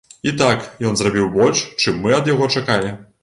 І так, ён зрабіў больш, чым мы ад яго чакалі.